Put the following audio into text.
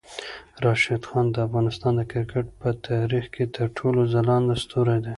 راشد خان د افغانستان د کرکټ په تاریخ کې تر ټولو ځلاند ستوری دی.